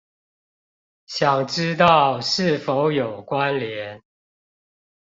想知道是否有關連